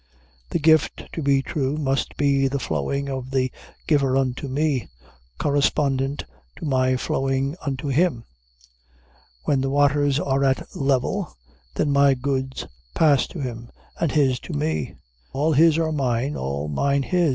The gift, to be true, must be the flowing of the giver unto me, correspondent to my flowing unto him. When the waters are at level, then my goods pass to him, and his to me. All his are mine, all mine his.